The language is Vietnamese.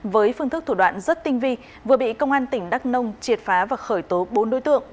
với phương thức thủ đoạn rất tinh vi vừa bị công an tỉnh đắk nông triệt phá và khởi tố bốn đối tượng